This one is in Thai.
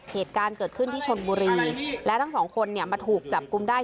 เหตุการณ์เกิดขึ้นที่ชนบุรีและทั้งสองคนเนี่ยมาถูกจับกุมได้